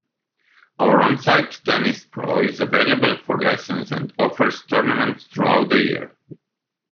Our on-site tennis pro is available for lessons and offers tournaments throughout the year.